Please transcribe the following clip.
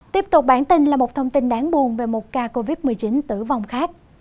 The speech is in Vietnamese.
tiếp tục bản tin là một thông tin đáng buồn về một ca covid một mươi chín tử vong khác